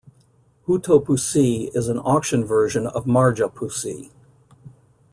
Huutopussi is an auction version of Marjapussi.